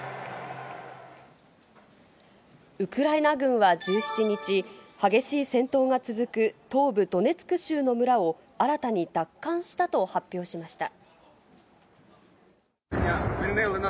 ウクライナ軍は１７日、激しい戦闘が続く東部ドネツク州の村を新たに奪還したと発表しました。